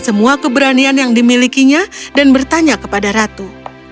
semua keberanian yang dimilikinya dan bertanya kepada ratu